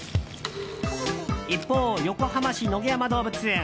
一方、横浜市野毛山動物園。